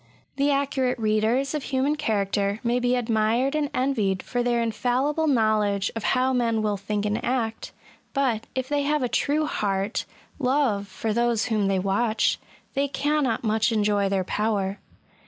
The accurate readers of human character may be admired and envied for their infallible knowledge of how men will think and act; but, if they have a true heart love for those whom they watch, they cannot much enjoy their power.